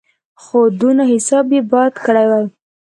خو دونه حساب یې باید کړی وای.